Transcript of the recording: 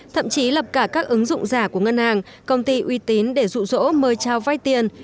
thậm chí lập cả các ứng dụng giả của ngân hàng công ty uy tín để rụ rỗ mời trao vay tiền